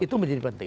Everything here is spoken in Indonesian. itu menjadi penting